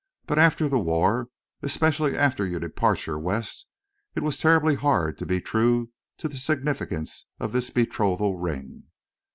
"But after the war—especially after your departure West it was terribly hard to be true to the significance of this betrothal ring.